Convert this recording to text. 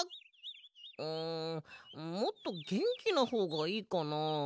うんもっとげんきなほうがいいかな？